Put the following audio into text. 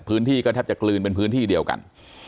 พื้นที่ก็แทบจะกลืนเป็นพื้นที่เดียวกัน